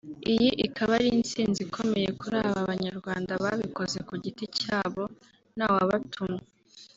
Iyi ikaba ari intsinzi ikomeye kuri aba banyarwanda babikoze ku giti cyabo ntawabatumye